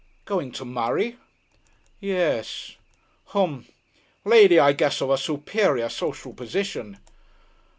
"Going to marry?" "Yes." "H'm. Lady, I guess, of a superior social position?"